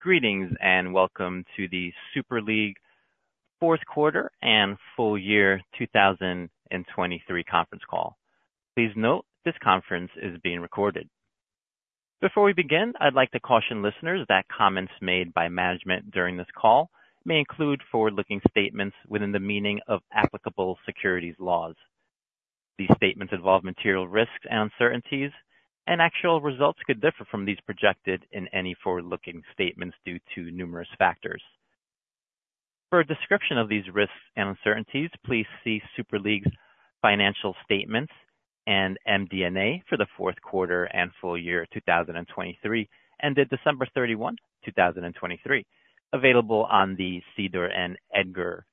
Greetings and welcome to the Super League fourth quarter and full year 2023 conference call. Please note this conference is being recorded. Before we begin, I'd like to caution listeners that comments made by management during this call may include forward-looking statements within the meaning of applicable securities laws. These statements involve material risks and uncertainties, and actual results could differ from these projected in any forward-looking statements due to numerous factors. For a description of these risks and uncertainties, please see Super League's Financial Statements and MD&A for the fourth quarter and full year 2023 ended December 31, 2023, available on the SEDAR and EDGAR.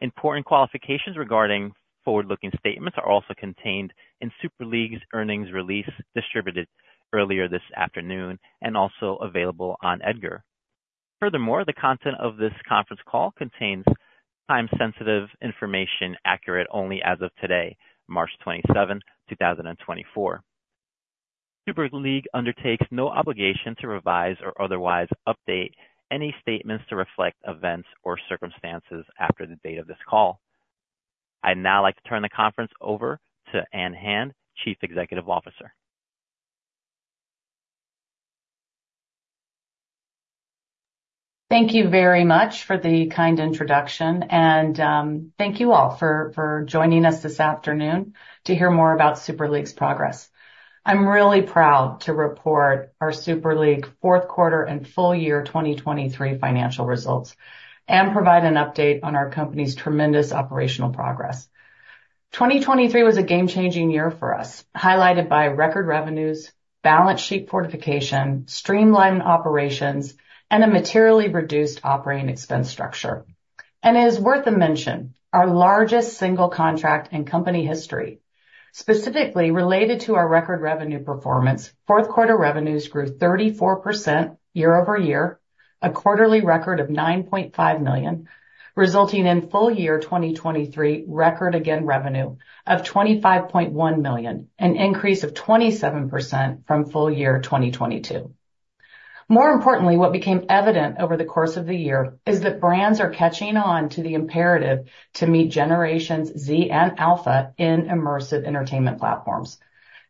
Important qualifications regarding forward-looking statements are also contained in Super League's earnings release distributed earlier this afternoon and also available on EDGAR. Furthermore, the content of this conference call contains time-sensitive information accurate only as of today, March 27th, 2024. Super League undertakes no obligation to revise or otherwise update any statements to reflect events or circumstances after the date of this call. I'd now like to turn the conference over to Ann Hand, Chief Executive Officer. Thank you very much for the kind introduction, and thank you all for joining us this afternoon to hear more about Super League's progress. I'm really proud to report our Super League fourth quarter and full year 2023 financial results and provide an update on our company's tremendous operational progress. 2023 was a game-changing year for us, highlighted by record revenues, balance sheet fortification, streamlined operations, and a materially reduced operating expense structure. It is worth a mention, our largest single contract in company history. Specifically related to our record revenue performance, fourth quarter revenues grew 34% year-over-year, a quarterly record of $9.5 million, resulting in full year 2023 record-again revenue of $25.1 million, an increase of 27% from full year 2022. More importantly, what became evident over the course of the year is that brands are catching on to the imperative to meet Generation Z and Alpha in immersive entertainment platforms.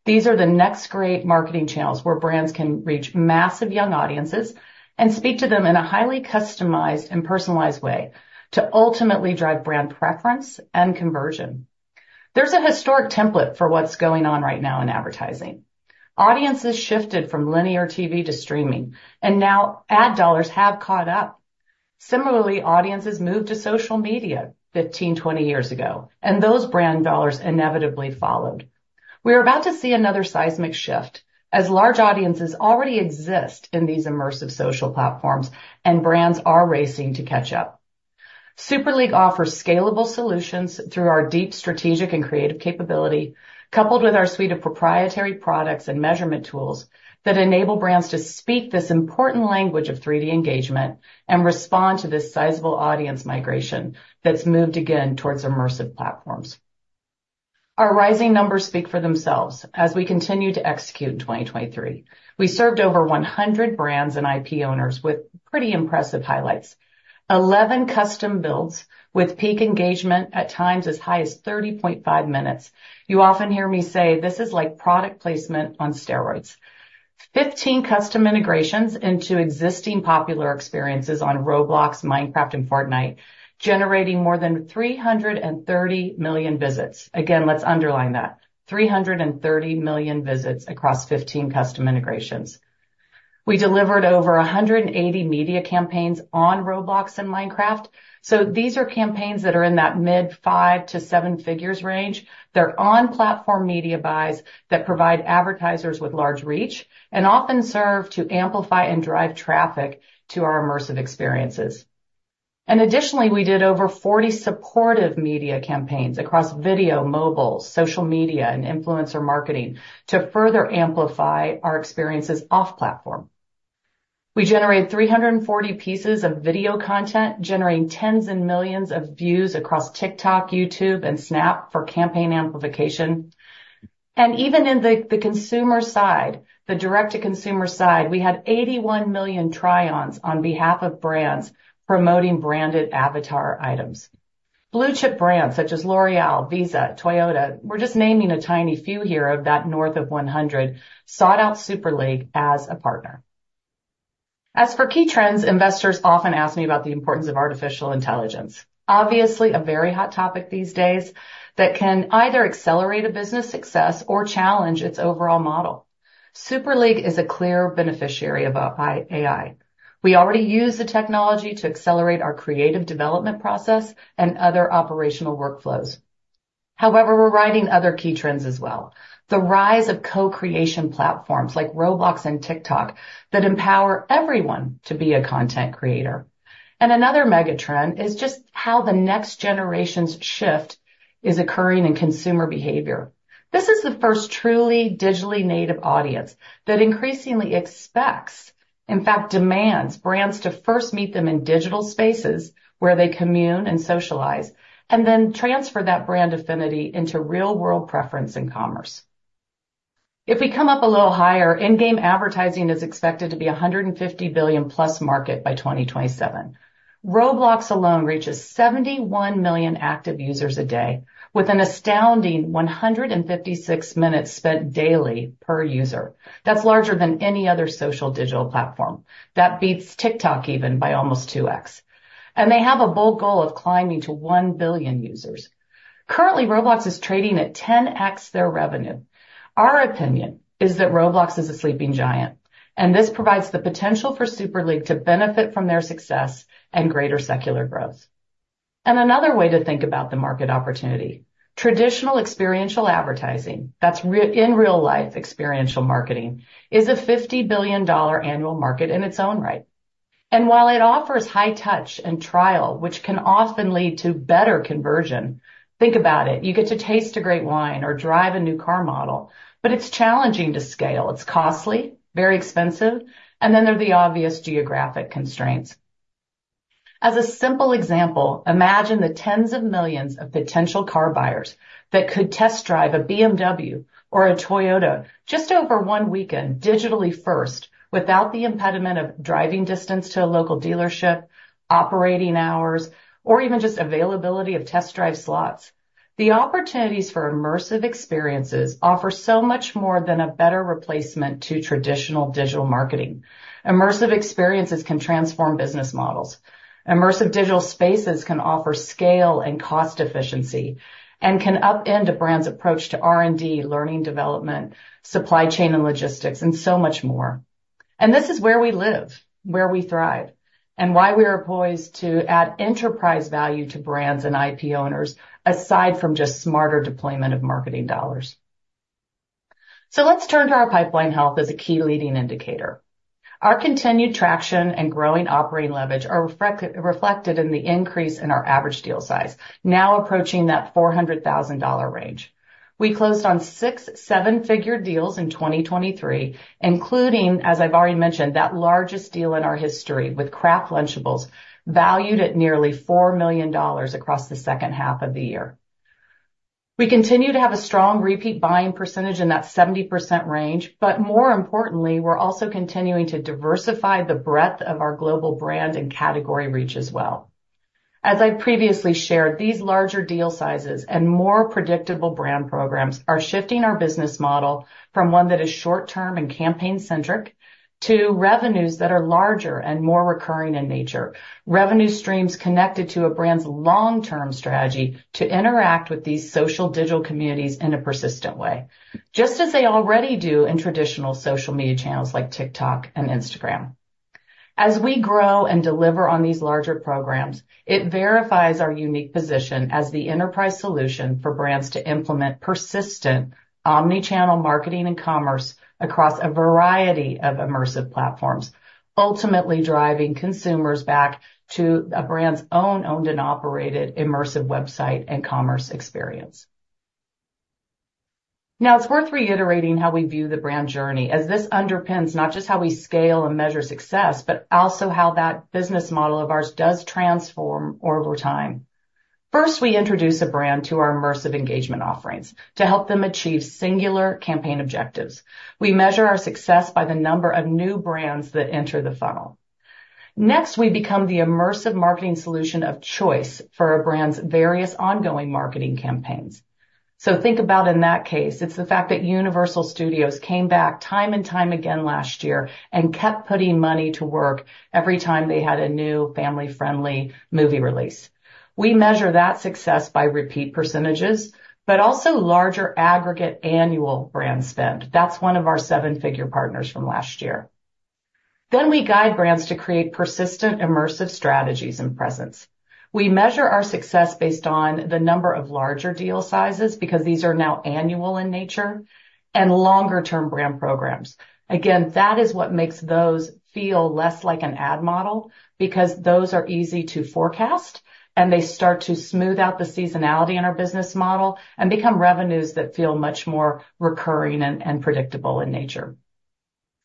These are the next-grade marketing channels where brands can reach massive young audiences and speak to them in a highly customized and personalized way to ultimately drive brand preference and conversion. There's a historic template for what's going on right now in advertising. Audiences shifted from linear TV to streaming, and now ad dollars have caught up. Similarly, audiences moved to social media 15, 20 years ago, and those brand dollars inevitably followed. We are about to see another seismic shift as large audiences already exist in these immersive social platforms, and brands are racing to catch up. Super League offers scalable solutions through our deep strategic and creative capability, coupled with our suite of proprietary products and measurement tools that enable brands to speak this important language of 3D engagement and respond to this sizable audience migration that's moved again towards immersive platforms. Our rising numbers speak for themselves as we continue to execute in 2023. We served over 100 brands and IP owners with pretty impressive highlights: 11 custom builds with peak engagement at times as high as 30.5 minutes. You often hear me say this is like product placement on steroids. 15 custom integrations into existing popular experiences on Roblox, Minecraft, and Fortnite, generating more than 330 million visits. Again, let's underline that: 330 million visits across 15 custom integrations. We delivered over 180 media campaigns on Roblox and Minecraft. So these are campaigns that are in that mid-5 to 7 figures range. They're on-platform media buys that provide advertisers with large reach and often serve to amplify and drive traffic to our immersive experiences. Additionally, we did over 40 supportive media campaigns across video, mobile, social media, and influencer marketing to further amplify our experiences off-platform. We generated 340 pieces of video content, generating tens of millions of views across TikTok, YouTube, and Snap for campaign amplification. Even in the consumer side, the direct-to-consumer side, we had 81 million try-ons on behalf of brands promoting branded avatar items. Blue-chip brands such as L'Oréal, Visa, Toyota - we're just naming a tiny few here of that north of 100 - sought out Super League as a partner. As for key trends, investors often ask me about the importance of artificial intelligence, obviously a very hot topic these days that can either accelerate a business success or challenge its overall model. Super League is a clear beneficiary of AI. We already use the technology to accelerate our creative development process and other operational workflows. However, we're riding other key trends as well: the rise of co-creation platforms like Roblox and TikTok that empower everyone to be a content creator. Another mega-trend is just how the next generation's shift is occurring in consumer behavior. This is the first truly digitally native audience that increasingly expects, in fact, demands, brands to first meet them in digital spaces where they commune and socialize, and then transfer that brand affinity into real-world preference and commerce. If we come up a little higher, in-game advertising is expected to be a $150 billion-plus market by 2027. Roblox alone reaches 71 million active users a day with an astounding 156 minutes spent daily per user. That's larger than any other social digital platform. That beats TikTok even by almost 2X. They have a bold goal of climbing to 1 billion users. Currently, Roblox is trading at 10x their revenue. Our opinion is that Roblox is a sleeping giant, and this provides the potential for Super League to benefit from their success and greater secular growth. Another way to think about the market opportunity: traditional experiential advertising - that's in-real-life experiential marketing - is a $50 billion annual market in its own right. While it offers high touch and trial, which can often lead to better conversion - think about it: you get to taste a great wine or drive a new car model - but it's challenging to scale. It's costly, very expensive, and then there are the obvious geographic constraints. As a simple example, imagine the tens of millions of potential car buyers that could test drive a BMW or a Toyota just over one weekend digitally first without the impediment of driving distance to a local dealership, operating hours, or even just availability of test drive slots. The opportunities for immersive experiences offer so much more than a better replacement to traditional digital marketing. Immersive experiences can transform business models. Immersive digital spaces can offer scale and cost efficiency and can upend a brand's approach to R&D, learning development, supply chain, and logistics, and so much more. This is where we live, where we thrive, and why we are poised to add enterprise value to brands and IP owners aside from just smarter deployment of marketing dollars. Let's turn to our pipeline health as a key leading indicator. Our continued traction and growing operating leverage are reflected in the increase in our average deal size, now approaching that $400,000 range. We closed on 6 seven-figure deals in 2023, including, as I've already mentioned, that largest deal in our history with Kraft Lunchables valued at nearly $4 million across the second half of the year. We continue to have a strong repeat buying percentage in that 70% range, but more importantly, we're also continuing to diversify the breadth of our global brand and category reach as well. As I've previously shared, these larger deal sizes and more predictable brand programs are shifting our business model from one that is short-term and campaign-centric to revenues that are larger and more recurring in nature, revenue streams connected to a brand's long-term strategy to interact with these social digital communities in a persistent way, just as they already do in traditional social media channels like TikTok and Instagram. As we grow and deliver on these larger programs, it verifies our unique position as the enterprise solution for brands to implement persistent omnichannel marketing and commerce across a variety of immersive platforms, ultimately driving consumers back to a brand's own owned and operated immersive website and commerce experience. Now, it's worth reiterating how we view the brand journey, as this underpins not just how we scale and measure success, but also how that business model of ours does transform over time. First, we introduce a brand to our immersive engagement offerings to help them achieve singular campaign objectives. We measure our success by the number of new brands that enter the funnel. Next, we become the immersive marketing solution of choice for a brand's various ongoing marketing campaigns. So think about, in that case, it's the fact that Universal Studios came back time and time again last year and kept putting money to work every time they had a new family-friendly movie release. We measure that success by repeat percentages, but also larger aggregate annual brand spend. That's one of our seven-figure partners from last year. Then we guide brands to create persistent immersive strategies and presence. We measure our success based on the number of larger deal sizes because these are now annual in nature, and longer-term brand programs. Again, that is what makes those feel less like an ad model because those are easy to forecast, and they start to smooth out the seasonality in our business model and become revenues that feel much more recurring and predictable in nature.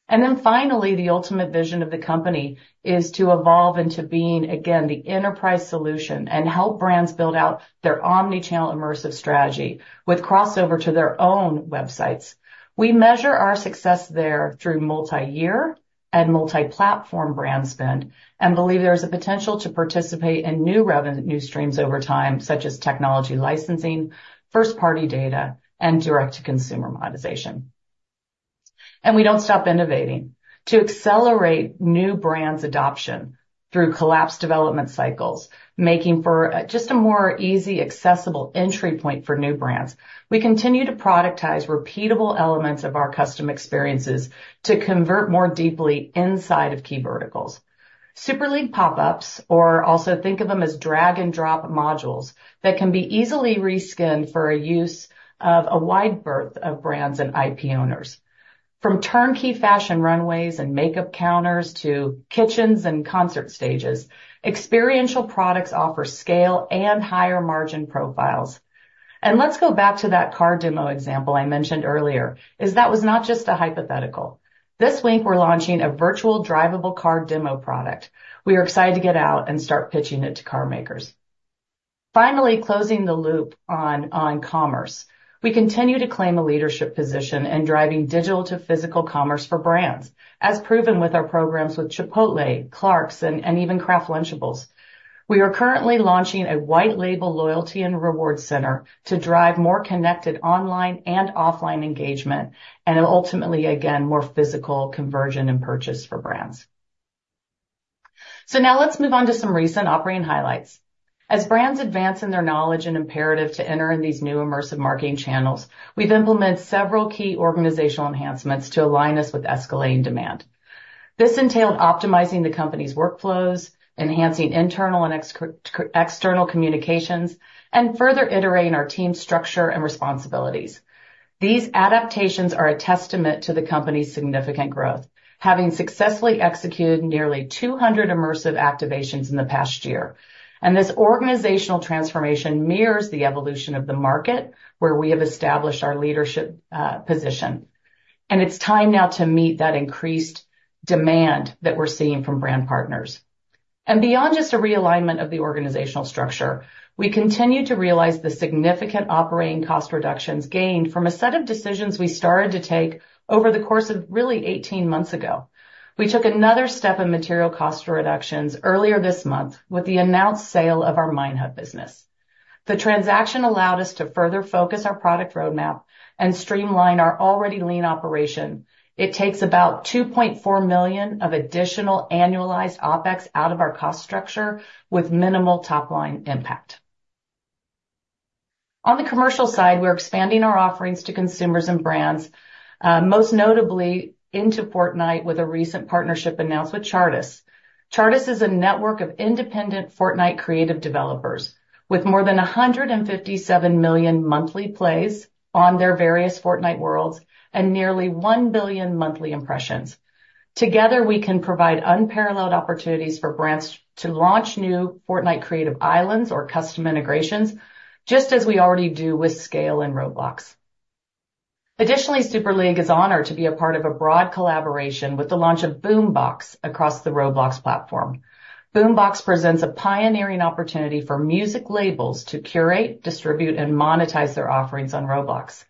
Then finally, the ultimate vision of the company is to evolve into being, again, the enterprise solution and help brands build out their omnichannel immersive strategy with crossover to their own websites. We measure our success there through multi-year and multi-platform brand spend and believe there's a potential to participate in new revenue streams over time, such as technology licensing, first-party data, and direct-to-consumer monetization. We don't stop innovating. To accelerate new brands' adoption through collapsed development cycles, making for just a more easy, accessible entry point for new brands, we continue to productize repeatable elements of our custom experiences to convert more deeply inside of key verticals. Super League Pop-ups, or also think of them as drag-and-drop modules that can be easily reskinned for a use of a wide berth of brands and IP owners. From turnkey fashion runways and makeup counters to kitchens and concert stages, experiential products offer scale and higher margin profiles. Let's go back to that car demo example I mentioned earlier, as that was not just a hypothetical. This week, we're launching a virtual drivable car demo product. We are excited to get out and start pitching it to car makers. Finally, closing the loop on commerce, we continue to claim a leadership position in driving digital-to-physical commerce for brands, as proven with our programs with Chipotle, Clarks, and even Kraft Lunchables. We are currently launching a white-label loyalty and reward center to drive more connected online and offline engagement and ultimately, again, more physical conversion and purchase for brands. So now let's move on to some recent operating highlights. As brands advance in their knowledge and imperative to enter in these new immersive marketing channels, we've implemented several key organizational enhancements to align us with escalating demand. This entailed optimizing the company's workflows, enhancing internal and external communications, and further iterating our team's structure and responsibilities. These adaptations are a testament to the company's significant growth, having successfully executed nearly 200 immersive activations in the past year. This organizational transformation mirrors the evolution of the market where we have established our leadership position. It's time now to meet that increased demand that we're seeing from brand partners. Beyond just a realignment of the organizational structure, we continue to realize the significant operating cost reductions gained from a set of decisions we started to take over the course of really 18 months ago. We took another step in material cost reductions earlier this month with the announced sale of our Minehut business. The transaction allowed us to further focus our product roadmap and streamline our already lean operation. It takes about $2.4 million of additional annualized OPEX out of our cost structure with minimal top-line impact. On the commercial side, we're expanding our offerings to consumers and brands, most notably into Fortnite with a recent partnership announced with Chartis. Chartis is a network of independent Fortnite creative developers with more than 157 million monthly plays on their various Fortnite worlds and nearly 1 billion monthly impressions. Together, we can provide unparalleled opportunities for brands to launch new Fortnite creative islands or custom integrations, just as we already do with scale in Roblox. Additionally, Super League is honored to be a part of a broad collaboration with the launch of Boombox across the Roblox platform. Boombox presents a pioneering opportunity for music labels to curate, distribute, and monetize their offerings on Roblox.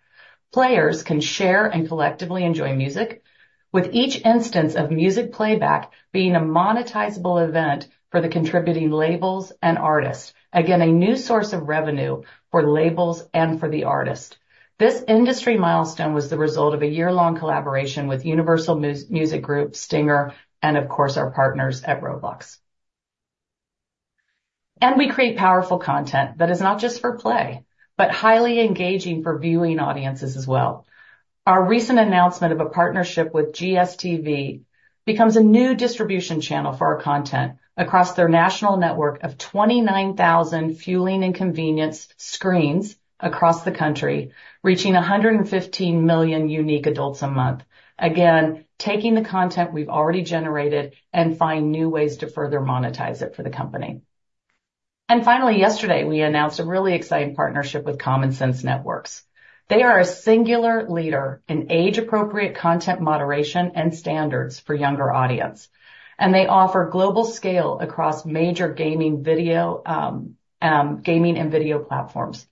Players can share and collectively enjoy music, with each instance of music playback being a monetizable event for the contributing labels and artists, again, a new source of revenue for labels and for the artists. This industry milestone was the result of a year-long collaboration with Universal Music Group, STYNGR, and of course, our partners at Roblox. We create powerful content that is not just for play but highly engaging for viewing audiences as well. Our recent announcement of a partnership with GSTV becomes a new distribution channel for our content across their national network of 29,000 fueling and convenience screens across the country, reaching 115 million unique adults a month, again, taking the content we've already generated and finding new ways to further monetize it for the company. Finally, yesterday, we announced a really exciting partnership with Common Sense Networks. They are a singular leader in age-appropriate content moderation and standards for younger audiences, and they offer global scale across major gaming and video platforms.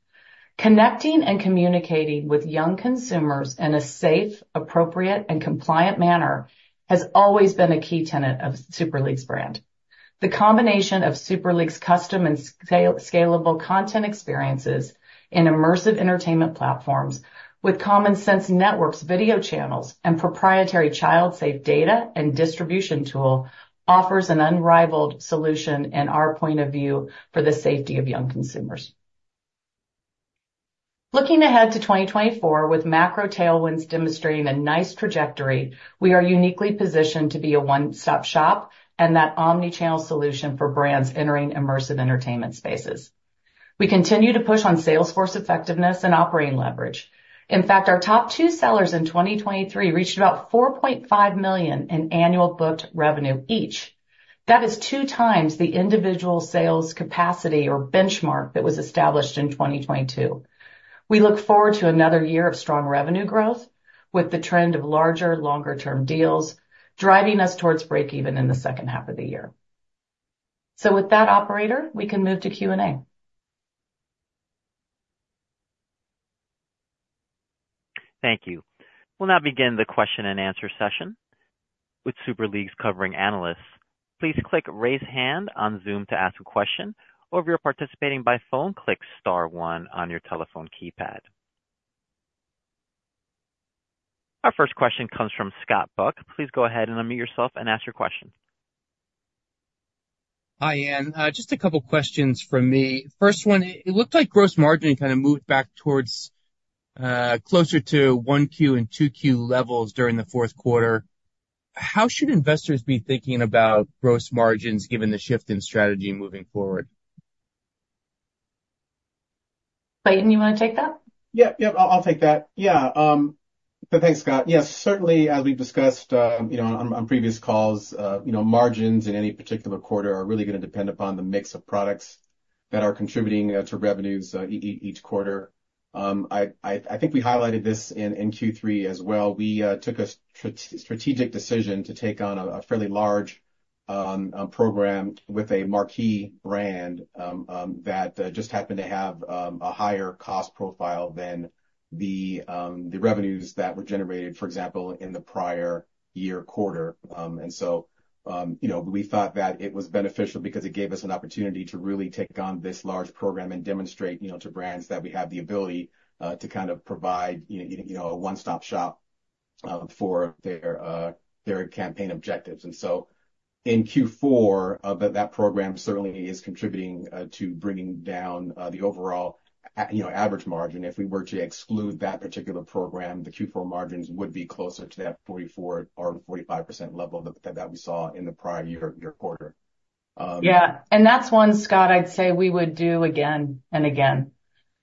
Connecting and communicating with young consumers in a safe, appropriate, and compliant manner has always been a key tenet of Super League's brand. The combination of Super League's custom and scalable content experiences in immersive entertainment platforms with Common Sense Networks' video channels and proprietary child-safe data and distribution tool offers an unrivaled solution, in our point of view, for the safety of young consumers. Looking ahead to 2024, with macro tailwinds demonstrating a nice trajectory, we are uniquely positioned to be a one-stop shop and that omnichannel solution for brands entering immersive entertainment spaces. We continue to push on sales force effectiveness and operating leverage. In fact, our top two sellers in 2023 reached about $4.5 million in annual booked revenue each. That is two times the individual sales capacity or benchmark that was established in 2022. We look forward to another year of strong revenue growth with the trend of larger, longer-term deals driving us towards break-even in the second half of the year. With that operator, we can move to Q&A. Thank you. We'll now begin the question-and-answer session. With Super League's covering analysts, please click Raise Hand on Zoom to ask a question, or if you're participating by phone, click Star 1 on your telephone keypad. Our first question comes from Scott Buck. Please go ahead and unmute yourself and ask your question. Hi, Ann. Just a couple of questions from me. First one, it looked like gross margin kind of moved back closer to 1Q and 2Q levels during the fourth quarter. How should investors be thinking about gross margins given the shift in strategy moving forward? Clayton, you want to take that? Yep, yep. I'll take that. Yeah. But thanks, Scott. Yes, certainly, as we've discussed on previous calls, margins in any particular quarter are really going to depend upon the mix of products that are contributing to revenues each quarter. I think we highlighted this in Q3 as well. We took a strategic decision to take on a fairly large program with a marquee brand that just happened to have a higher cost profile than the revenues that were generated, for example, in the prior year quarter. And so we thought that it was beneficial because it gave us an opportunity to really take on this large program and demonstrate to brands that we have the ability to kind of provide a one-stop shop for their campaign objectives. And so in Q4, that program certainly is contributing to bringing down the overall average margin. If we were to exclude that particular program, the Q4 margins would be closer to that 44% or 45% level that we saw in the prior year quarter. Yeah. And that's one, Scott, I'd say we would do again and again.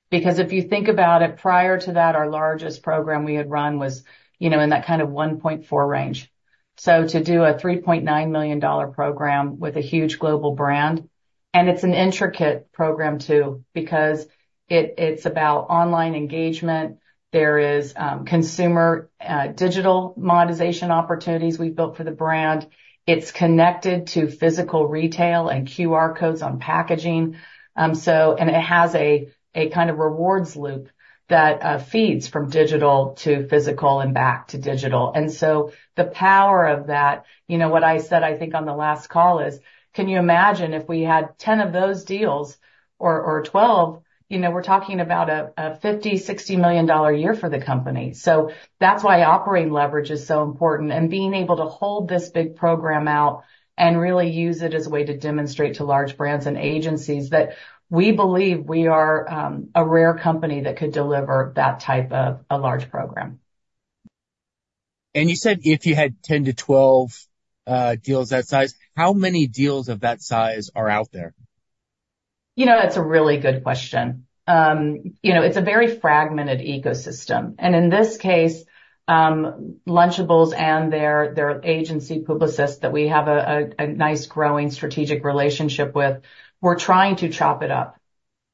Because if you think about it, prior to that, our largest program we had run was in that kind of $1.4 million range. So to do a $3.9 million program with a huge global brand and it's an intricate program too because it's about online engagement. There are consumer digital monetization opportunities we've built for the brand. It's connected to physical retail and QR codes on packaging. And it has a kind of rewards loop that feeds from digital to physical and back to digital. And so the power of that what I said, I think, on the last call is, "Can you imagine if we had 10 of those deals or 12? We're talking about a $50-$60 million year for the company." So that's why operating leverage is so important and being able to hold this big program out and really use it as a way to demonstrate to large brands and agencies that we believe we are a rare company that could deliver that type of a large program. You said if you had 10-12 deals that size, how many deals of that size are out there? That's a really good question. It's a very fragmented ecosystem. In this case, Lunchables and their agency Publicis that we have a nice growing strategic relationship with, we're trying to chop it up.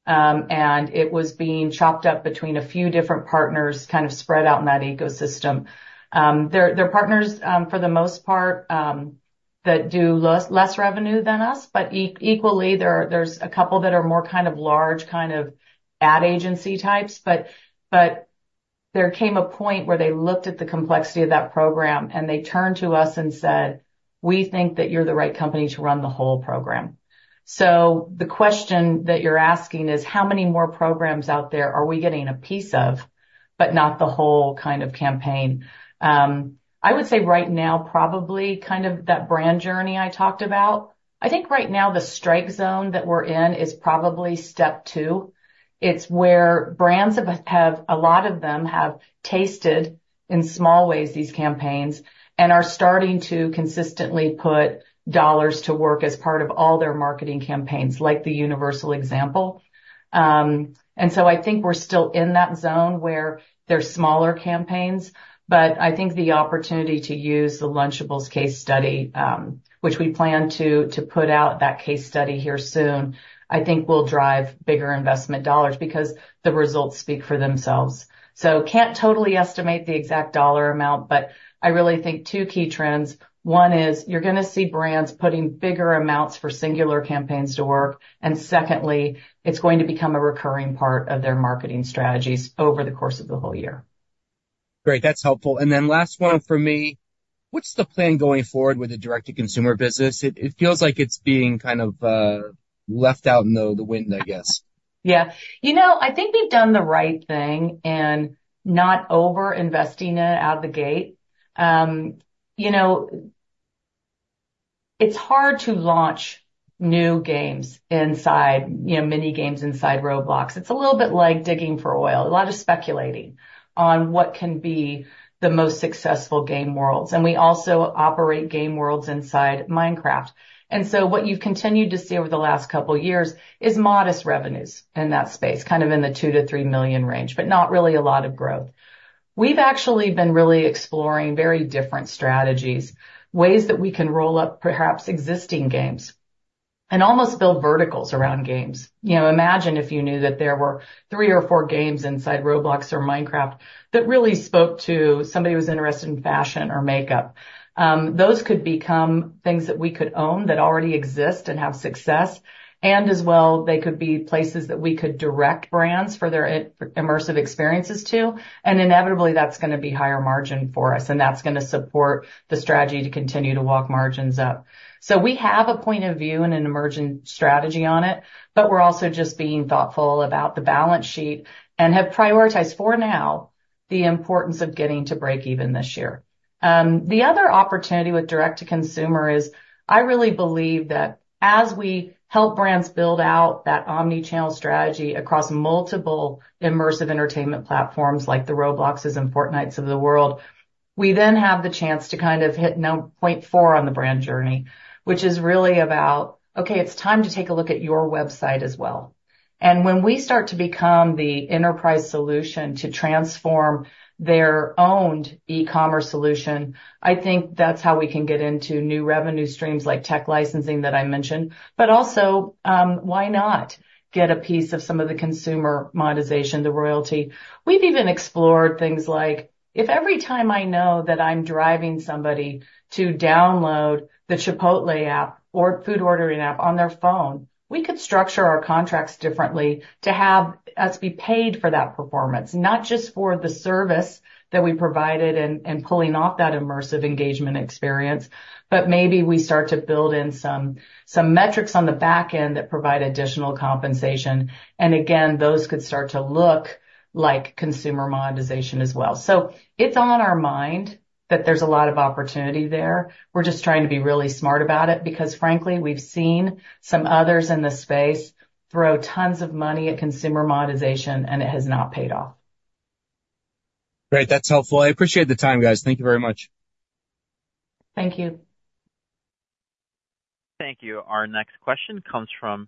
It was being chopped up between a few different partners kind of spread out in that ecosystem. They're partners, for the most part, that do less revenue than us. But equally, there's a couple that are more kind of large kind of ad agency types. But there came a point where they looked at the complexity of that program, and they turned to us and said, "We think that you're the right company to run the whole program." So the question that you're asking is, "How many more programs out there are we getting a piece of but not the whole kind of campaign?" I would say right now, probably kind of that brand journey I talked about. I think right now, the strike zone that we're in is probably step two. It's where brands have a lot of them have tasted in small ways these campaigns and are starting to consistently put dollars to work as part of all their marketing campaigns, like the Universal example. And so I think we're still in that zone where there are smaller campaigns. But I think the opportunity to use the Lunchables case study, which we plan to put out that case study here soon, I think will drive bigger investment dollars because the results speak for themselves. So can't totally estimate the exact dollar amount, but I really think two key trends. One is you're going to see brands putting bigger amounts for singular campaigns to work. And secondly, it's going to become a recurring part of their marketing strategies over the course of the whole year. Great. That's helpful. And then last one for me, what's the plan going forward with the direct-to-consumer business? It feels like it's being kind of left out in the wind, I guess. Yeah. I think we've done the right thing in not over-investing it out the gate. It's hard to launch new games inside mini-games inside Roblox. It's a little bit like digging for oil, a lot of speculating on what can be the most successful game worlds. And we also operate game worlds inside Minecraft. And so what you've continued to see over the last couple of years is modest revenues in that space, kind of in the $2 million-$3 million range, but not really a lot of growth. We've actually been really exploring very different strategies, ways that we can roll up perhaps existing games and almost build verticals around games. Imagine if you knew that there were three or four games inside Roblox or Minecraft that really spoke to somebody who was interested in fashion or makeup. Those could become things that we could own that already exist and have success. As well, they could be places that we could direct brands for their immersive experiences to. Inevitably, that's going to be higher margin for us, and that's going to support the strategy to continue to walk margins up. So we have a point of view and an emerging strategy on it, but we're also just being thoughtful about the balance sheet and have prioritized for now the importance of getting to break-even this year. The other opportunity with direct-to-consumer is I really believe that as we help brands build out that omnichannel strategy across multiple immersive entertainment platforms like the Robloxes and Fortnites of the world, we then have the chance to kind of hit 0.4 on the brand journey, which is really about, "Okay, it's time to take a look at your website as well." And when we start to become the enterprise solution to transform their owned e-commerce solution, I think that's how we can get into new revenue streams like tech licensing that I mentioned. But also, why not get a piece of some of the consumer monetization, the royalty? We've even explored things like, "If every time I know that I'm driving somebody to download the Chipotle app or food ordering app on their phone, we could structure our contracts differently to have us be paid for that performance, not just for the service that we provided and pulling off that immersive engagement experience, but maybe we start to build in some metrics on the back end that provide additional compensation." And again, those could start to look like consumer monetization as well. So it's on our mind that there's a lot of opportunity there. We're just trying to be really smart about it because, frankly, we've seen some others in the space throw tons of money at consumer monetization, and it has not paid off. Great. That's helpful. I appreciate the time, guys. Thank you very much. Thank you. Thank you. Our next question comes from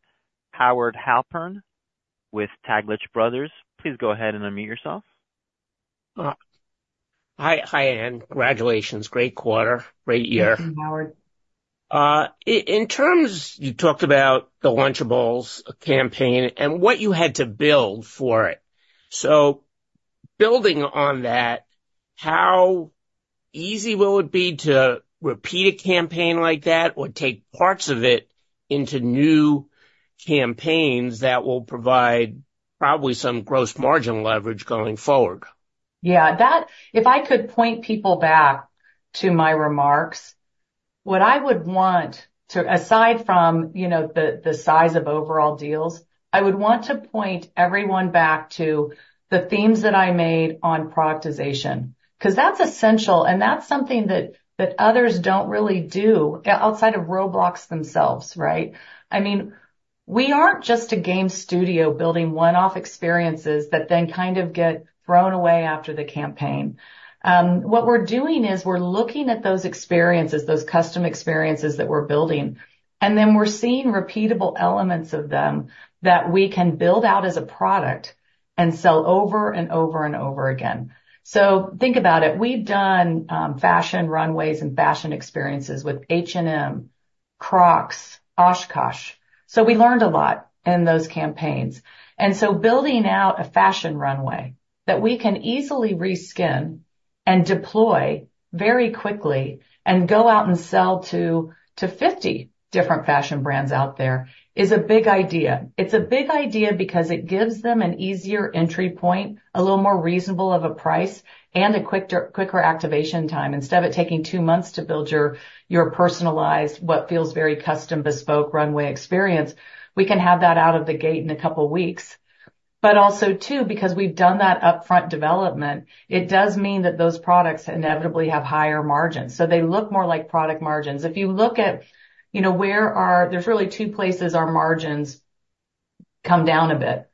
Howard Halpern with Taglich Brothers. Please go ahead and unmute yourself. Hi, Ann. Congratulations. Great quarter. Great year. Thank you, Howard. In terms you talked about the Lunchables campaign and what you had to build for it. So building on that, how easy will it be to repeat a campaign like that or take parts of it into new campaigns that will provide probably some gross margin leverage going forward? Yeah. If I could point people back to my remarks, what I would want to aside from the size of overall deals, I would want to point everyone back to the themes that I made on productization because that's essential, and that's something that others don't really do outside of Roblox themselves, right? I mean, we aren't just a game studio building one-off experiences that then kind of get thrown away after the campaign. What we're doing is we're looking at those experiences, those custom experiences that we're building, and then we're seeing repeatable elements of them that we can build out as a product and sell over and over and over again. So think about it. We've done fashion runways and fashion experiences with H&M, Crocs, OshKosh. So we learned a lot in those campaigns. Building out a fashion runway that we can easily reskin and deploy very quickly and go out and sell to 50 different fashion brands out there is a big idea. It's a big idea because it gives them an easier entry point, a little more reasonable of a price, and a quicker activation time. Instead of it taking two months to build your personalized, what feels very custom bespoke runway experience, we can have that out of the gate in a couple of weeks. But also too, because we've done that upfront development, it does mean that those products inevitably have higher margins. So they look more like product margins. If you look at whereas there's really two places our margins come down a bit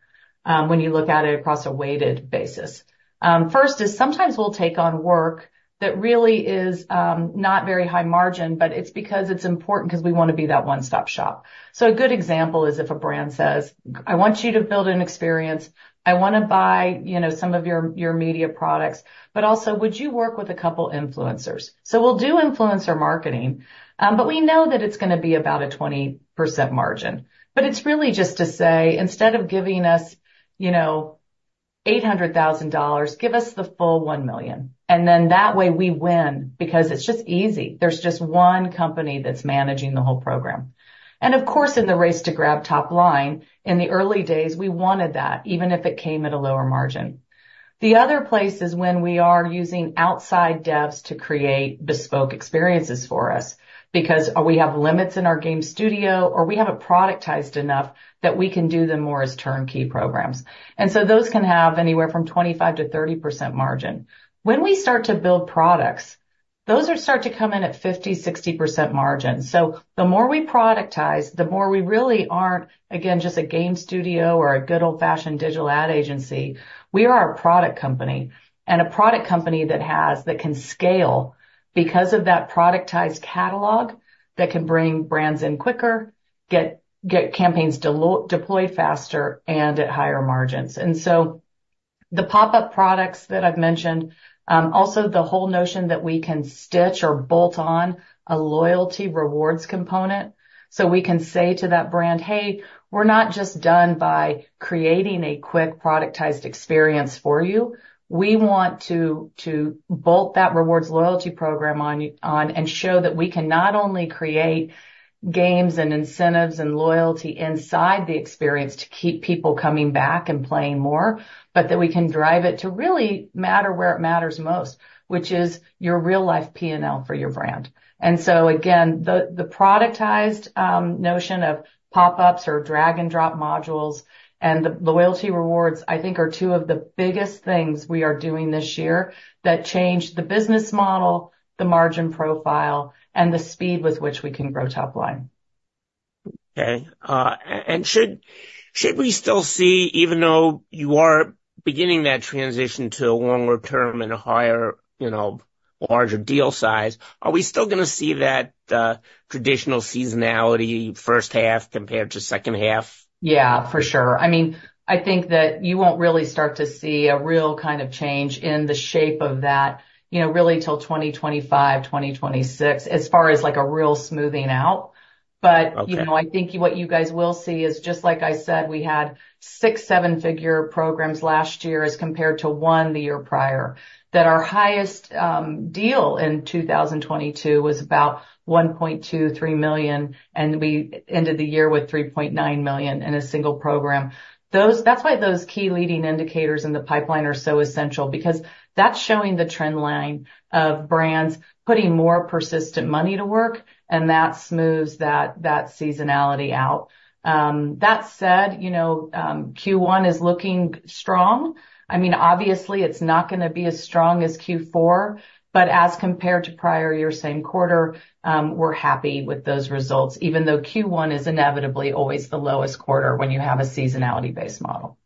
when you look at it across a weighted basis. First is sometimes we'll take on work that really is not very high margin, but it's because it's important because we want to be that one-stop shop. So a good example is if a brand says, "I want you to build an experience. I want to buy some of your media products, but also, would you work with a couple of influencers?" So we'll do influencer marketing, but we know that it's going to be about a 20% margin. But it's really just to say, "Instead of giving us $800,000, give us the full $1 million." And then that way, we win because it's just easy. There's just one company that's managing the whole program. And of course, in the race to grab top line, in the early days, we wanted that, even if it came at a lower margin. The other place is when we are using outside devs to create bespoke experiences for us because we have limits in our game studio or we haven't productized enough that we can do them more as turnkey programs. And so those can have anywhere from 25%-30% margin. When we start to build products, those start to come in at 50%-60% margin. So the more we productize, the more we really aren't, again, just a game studio or a good old-fashioned digital ad agency. We are a product company and a product company that can scale because of that productized catalog that can bring brands in quicker, get campaigns deployed faster, and at higher margins. And so the pop-up products that I've mentioned, also the whole notion that we can stitch or bolt on a loyalty rewards component. So we can say to that brand, "Hey, we're not just done by creating a quick productized experience for you. We want to bolt that rewards loyalty program on and show that we can not only create games and incentives and loyalty inside the experience to keep people coming back and playing more, but that we can drive it to really matter where it matters most, which is your real-life P&L for your brand." And so again, the productized notion of pop-ups or drag-and-drop modules and the loyalty rewards, I think, are two of the biggest things we are doing this year that change the business model, the margin profile, and the speed with which we can grow top line. Okay. Should we still see, even though you are beginning that transition to a longer term and a larger deal size, are we still going to see that traditional seasonality first half compared to second half? Yeah, for sure. I mean, I think that you won't really start to see a real kind of change in the shape of that really till 2025, 2026 as far as a real smoothing out. But I think what you guys will see is just like I said, we had 6, 7-figure programs last year as compared to 1 the year prior. That our highest deal in 2022 was about $1.23 million, and we ended the year with $3.9 million in a single program. That's why those key leading indicators in the pipeline are so essential because that's showing the trendline of brands putting more persistent money to work, and that smooths that seasonality out. That said, Q1 is looking strong. I mean, obviously, it's not going to be as strong as Q4, but as compared to prior year's same quarter, we're happy with those results, even though Q1 is inevitably always the lowest quarter when you have a seasonality-based model.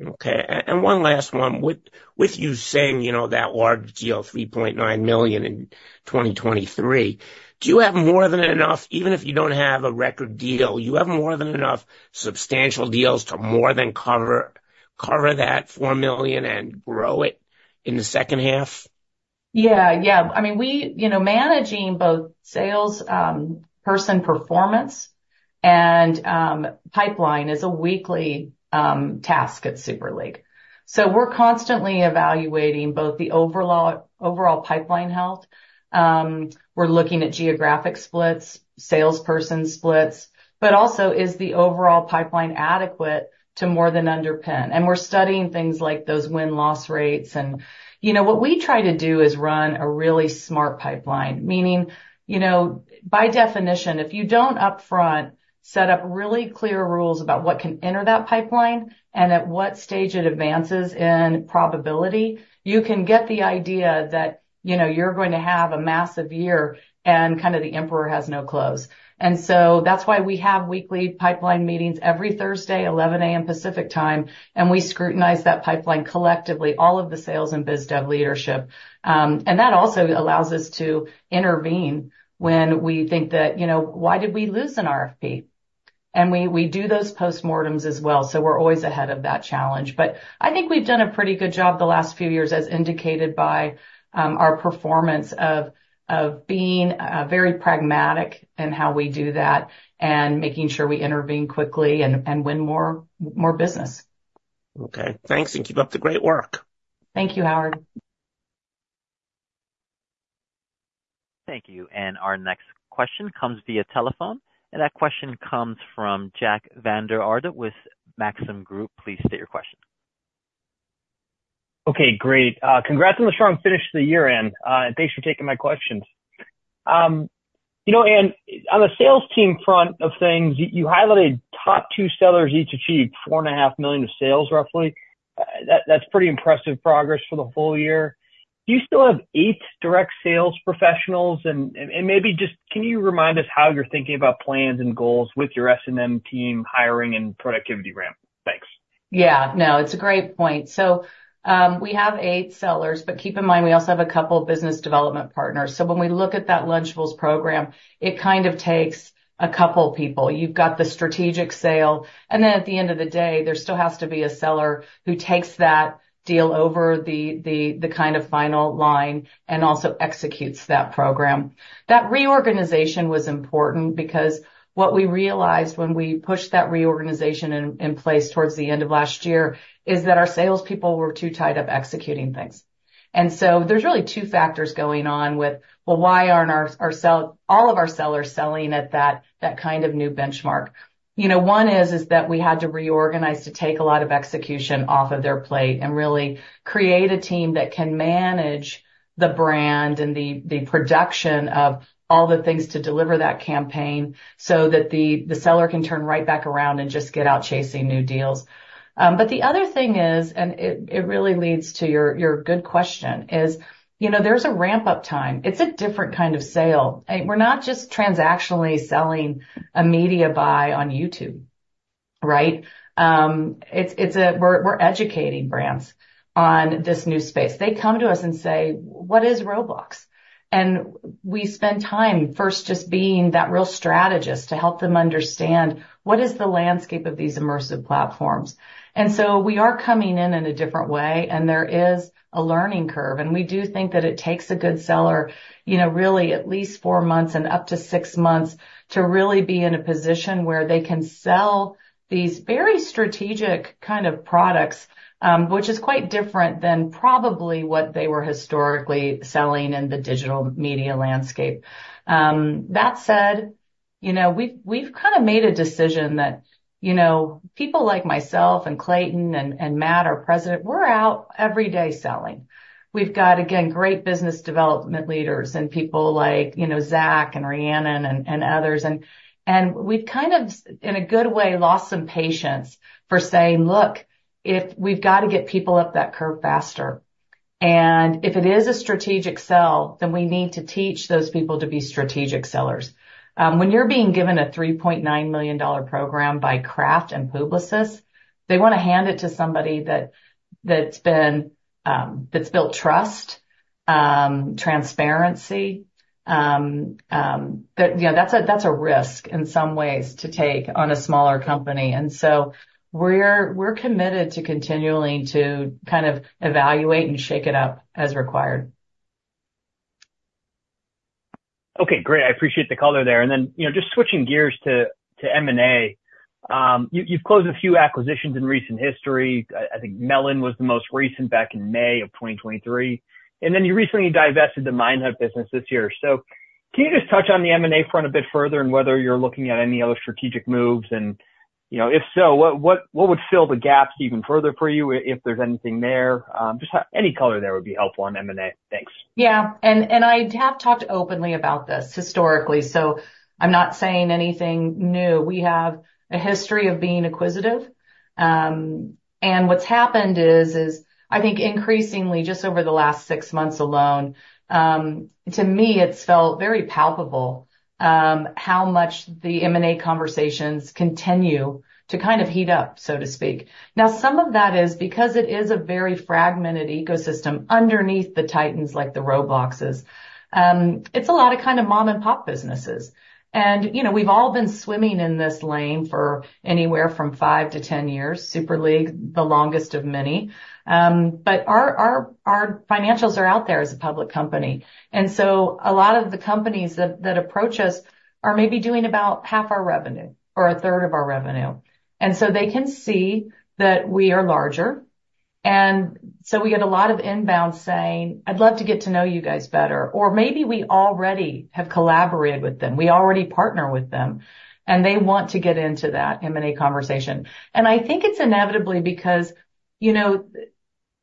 Okay. And one last one. With you saying that large deal of $3.9 million in 2023, do you have more than enough even if you don't have a record deal? Do you have more than enough substantial deals to more than cover that $4 million and grow it in the second half? Yeah. Yeah. I mean, managing both salesperson performance and pipeline is a weekly task at Super League. So we're constantly evaluating both the overall pipeline health. We're looking at geographic splits, salesperson splits, but also, is the overall pipeline adequate to more than underpin? And we're studying things like those win-loss rates. And what we try to do is run a really smart pipeline, meaning by definition, if you don't upfront set up really clear rules about what can enter that pipeline and at what stage it advances in probability, you can get the idea that you're going to have a massive year and kind of the emperor has no clothes. And so that's why we have weekly pipeline meetings every Thursday, 11:00 A.M. Pacific Time, and we scrutinize that pipeline collectively, all of the sales and biz dev leadership. That also allows us to intervene when we think that, "Why did we lose an RFP?" We do those postmortems as well. We're always ahead of that challenge. I think we've done a pretty good job the last few years as indicated by our performance of being very pragmatic in how we do that and making sure we intervene quickly and win more business. Okay. Thanks. And keep up the great work. Thank you, Howard. Thank you. Our next question comes via telephone. That question comes from Jack Vander Aarde with Maxim Group. Please state your question. Okay. Great. Congrats on the strong finish of the year, Ann. Thanks for taking my questions. Ann, on the sales team front of things, you highlighted top two sellers each achieve $4.5 million of sales, roughly. That's pretty impressive progress for the whole year. Do you still have 8 direct sales professionals? Maybe just can you remind us how you're thinking about plans and goals with your S&M team hiring and productivity ramp? Thanks. Yeah. No, it's a great point. So we have 8 sellers, but keep in mind, we also have a couple of business development partners. So when we look at that Lunchables program, it kind of takes a couple of people. You've got the strategic sale. And then at the end of the day, there still has to be a seller who takes that deal over the kind of final line and also executes that program. That reorganization was important because what we realized when we pushed that reorganization in place towards the end of last year is that our salespeople were too tied up executing things. And so there's really two factors going on with, "Well, why aren't all of our sellers selling at that kind of new benchmark?" One is that we had to reorganize to take a lot of execution off of their plate and really create a team that can manage the brand and the production of all the things to deliver that campaign so that the seller can turn right back around and just get out chasing new deals. But the other thing is, and it really leads to your good question, is there's a ramp-up time. It's a different kind of sale. We're not just transactionally selling a media buy on YouTube, right? We're educating brands on this new space. They come to us and say, "What is Roblox?" And we spend time first just being that real strategist to help them understand what is the landscape of these immersive platforms. So we are coming in in a different way, and there is a learning curve. We do think that it takes a good seller really at least four months and up to six months to really be in a position where they can sell these very strategic kind of products, which is quite different than probably what they were historically selling in the digital media landscape. That said, we've kind of made a decision that people like myself and Clayton and Matt, our President, we're out every day selling. We've got, again, great business development leaders and people like Zach and Rhiannon and others. We've kind of, in a good way, lost some patience for saying, "Look, we've got to get people up that curve faster. And if it is a strategic sell, then we need to teach those people to be strategic sellers." When you're being given a $3.9 million program by Kraft and Publicis, they want to hand it to somebody that's built trust, transparency. That's a risk in some ways to take on a smaller company. So we're committed to continually to kind of evaluate and shake it up as required. Okay. Great. I appreciate the color there. And then just switching gears to M&A, you've closed a few acquisitions in recent history. I think Melon was the most recent back in May of 2023. And then you recently divested the Minehut business this year. So can you just touch on the M&A front a bit further and whether you're looking at any other strategic moves? And if so, what would fill the gaps even further for you if there's anything there? Just any color there would be helpful on M&A. Thanks. Yeah. And I have talked openly about this historically, so I'm not saying anything new. We have a history of being acquisitive. And what's happened is, I think increasingly just over the last six months alone, to me, it's felt very palpable how much the M&A conversations continue to kind of heat up, so to speak. Now, some of that is because it is a very fragmented ecosystem underneath the Titans like the Robloxes. It's a lot of kind of mom-and-pop businesses. And we've all been swimming in this lane for anywhere from 5 to 10 years, Super League, the longest of many. But our financials are out there as a public company. And so a lot of the companies that approach us are maybe doing about half our revenue or a third of our revenue. And so they can see that we are larger. And so we get a lot of inbound saying, "I'd love to get to know you guys better." Or maybe we already have collaborated with them. We already partner with them, and they want to get into that M&A conversation. And I think it's inevitably because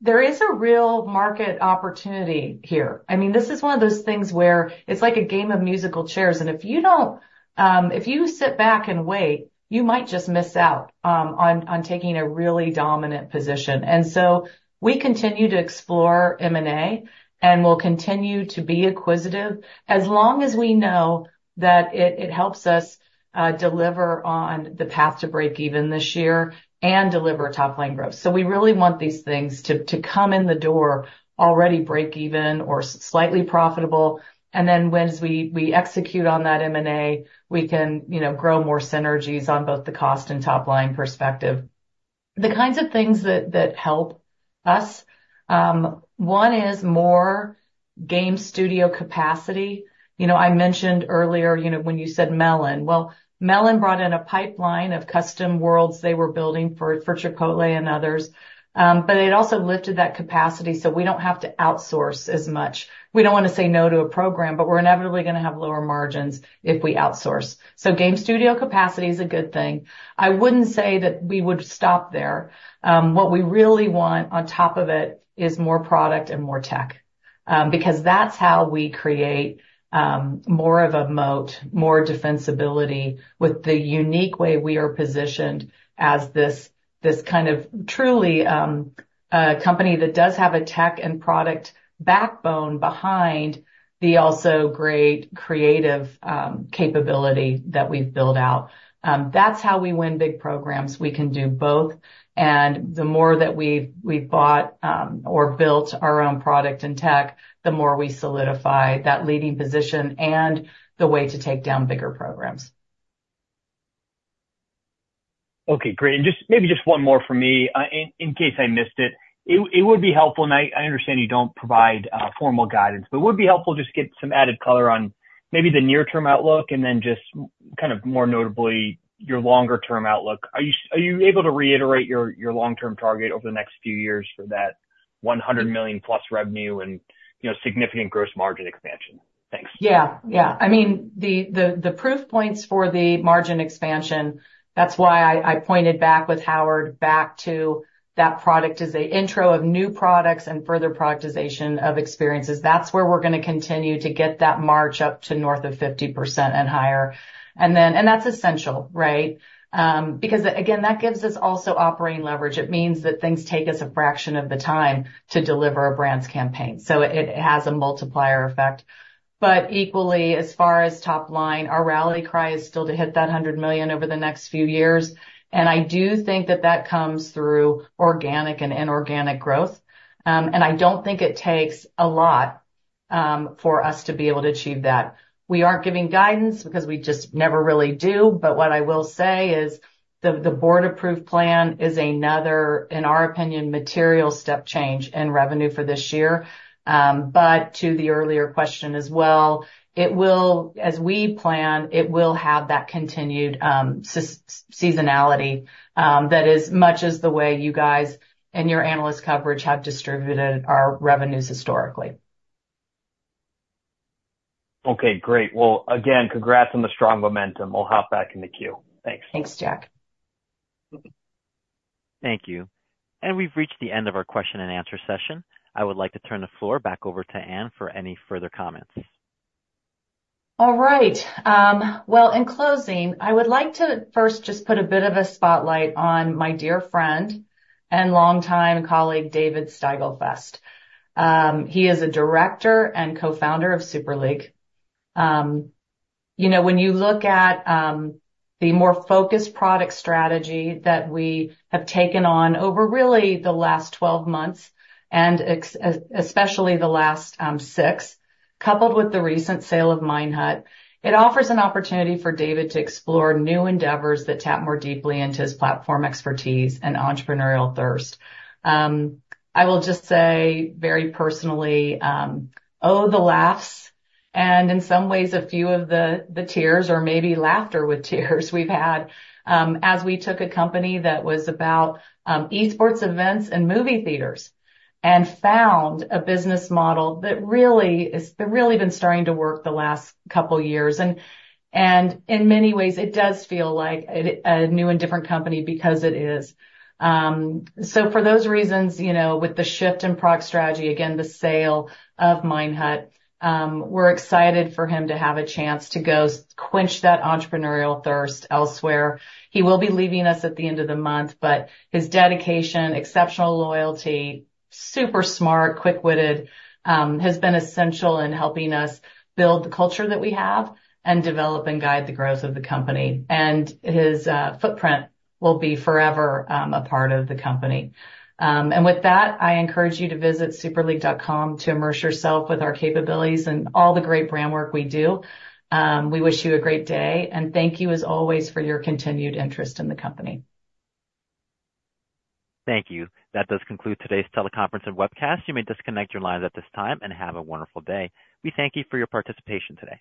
there is a real market opportunity here. I mean, this is one of those things where it's like a game of musical chairs. And if you sit back and wait, you might just miss out on taking a really dominant position. And so we continue to explore M&A, and we'll continue to be acquisitive as long as we know that it helps us deliver on the path to break-even this year and deliver top-line growth. So we really want these things to come in the door already break-even or slightly profitable. And then as we execute on that M&A, we can grow more synergies on both the cost and top-line perspective. The kinds of things that help us, one is more game studio capacity. I mentioned earlier when you said Melon. Well, Melon brought in a pipeline of custom worlds they were building for Chipotle and others. But it also lifted that capacity so we don't have to outsource as much. We don't want to say no to a program, but we're inevitably going to have lower margins if we outsource. So game studio capacity is a good thing. I wouldn't say that we would stop there. What we really want on top of it is more product and more tech because that's how we create more of a moat, more defensibility with the unique way we are positioned as this kind of truly company that does have a tech and product backbone behind the also great creative capability that we've built out. That's how we win big programs. We can do both. The more that we've bought or built our own product and tech, the more we solidify that leading position and the way to take down bigger programs. Okay. Great. Maybe just one more for me in case I missed it. It would be helpful, and I understand you don't provide formal guidance, but it would be helpful to just get some added color on maybe the near-term outlook and then just kind of more notably your longer-term outlook. Are you able to reiterate your long-term target over the next few years for that $100 million+ revenue and significant gross margin expansion? Thanks. Yeah. Yeah. I mean, the proof points for the margin expansion, that's why I pointed back with Howard back to that product as the intro of new products and further productization of experiences. That's where we're going to continue to get that march up to north of 50% and higher. And that's essential, right? Because, again, that gives us also operating leverage. It means that things take us a fraction of the time to deliver a brand's campaign. So it has a multiplier effect. But equally, as far as top line, our rally cry is still to hit that $100 million over the next few years. And I do think that that comes through organic and inorganic growth. And I don't think it takes a lot for us to be able to achieve that. We aren't giving guidance because we just never really do. What I will say is the board-approved plan is another, in our opinion, material step change in revenue for this year. To the earlier question as well, as we plan, it will have that continued seasonality that is much as the way you guys and your analyst coverage have distributed our revenues historically. Okay. Great. Well, again, congrats on the strong momentum. We'll hop back in the queue. Thanks. Thanks, Jack. Thank you. We've reached the end of our question-and-answer session. I would like to turn the floor back over to Ann for any further comments. All right. Well, in closing, I would like to first just put a bit of a spotlight on my dear friend and longtime colleague, David Steigelfest. He is a director and co-founder of Super League. When you look at the more focused product strategy that we have taken on over really the last 12 months, and especially the last six, coupled with the recent sale of Minehut, it offers an opportunity for David to explore new endeavors that tap more deeply into his platform expertise and entrepreneurial thirst. I will just say very personally, oh, the laughs, and in some ways, a few of the tears or maybe laughter with tears we've had as we took a company that was about esports events and movie theaters and found a business model that really has been starting to work the last couple of years. In many ways, it does feel like a new and different company because it is. So for those reasons, with the shift in product strategy, again, the sale of Minehut, we're excited for him to have a chance to go quench that entrepreneurial thirst elsewhere. He will be leaving us at the end of the month, but his dedication, exceptional loyalty, super smart, quick-witted, has been essential in helping us build the culture that we have and develop and guide the growth of the company. And his footprint will be forever a part of the company. And with that, I encourage you to visit superleague.com to immerse yourself with our capabilities and all the great brand work we do. We wish you a great day. And thank you, as always, for your continued interest in the company. Thank you. That does conclude today's teleconference and webcast. You may disconnect your lines at this time and have a wonderful day. We thank you for your participation today.